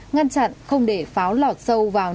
ngăn chặn không để pháo lọt ra